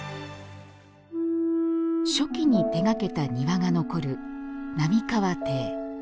初期に手がけた庭が残る並河邸。